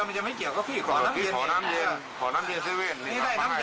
ลุงมองไม่เห็นลุงก็เลยเสี่ยวแบบนี้